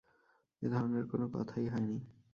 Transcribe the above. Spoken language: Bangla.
এ-ধরনের কোনো কথাই হয় নি।